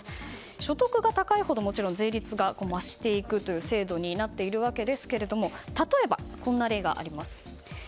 所得が高いほど税率が増していくという制度になっているわけですけれども例えば、こんな例があります。